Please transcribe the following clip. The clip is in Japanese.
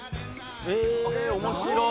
へえ面白い！